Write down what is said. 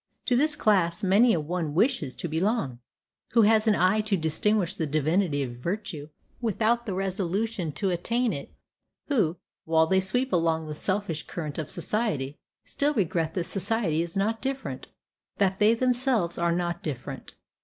To this class many a one wishes to belong, who has an eye to distinguish the divinity of virtue, without the resolution to attain it; who, while they sweep along with the selfish current of society, still regret that society is not different that they themselves are not different.